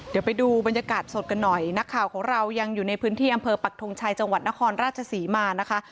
เดี๋ยวไปดูบรรยากาศสดกันหน่อยนักข่าวของเรายังอยู่ในพื้นที่อำเภอปักทงชัยจังหวัดนครราชศรีมานะคะ